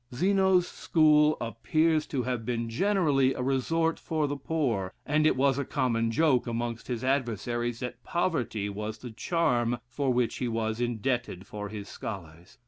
Zeno's school appears to have been generally a resort for the poor, and it was a common joke amongst his adversaries, that poverty was the charm for which he was indebted for his scholars.